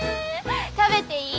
食べていい？